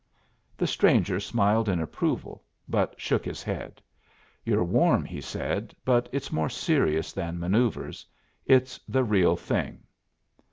The stranger smiled in approval, but shook his head. "You're warm," he said, "but it's more serious than manoeuvres. It's the Real Thing."